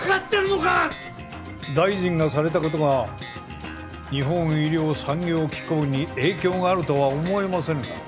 大臣がされた事が日本医療産業機構に影響があるとは思えませんが。